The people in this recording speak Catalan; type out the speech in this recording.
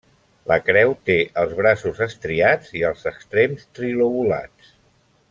La creu té els braços estriats i els extrems trilobulats.